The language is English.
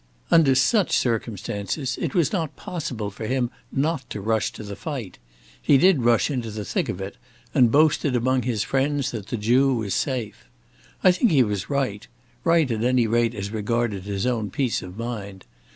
Under such circumstances it was not possible for him not to rush to the fight. He did rush into the thick of it, and boasted among his friends that the Jew was safe. I think he was right, right at any rate as regarded his own peace of mind.